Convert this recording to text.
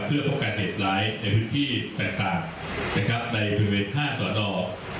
เพื่อปกติเหตุร้ายในพื้นที่ต่างต่างนะครับในบริเวณห้าสอดออก